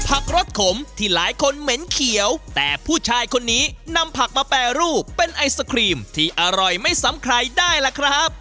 รสขมที่หลายคนเหม็นเขียวแต่ผู้ชายคนนี้นำผักมาแปรรูปเป็นไอศครีมที่อร่อยไม่ซ้ำใครได้ล่ะครับ